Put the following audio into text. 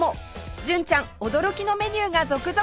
純ちゃん驚きのメニューが続々です！